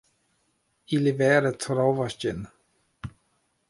Ili vere trovos ĝin.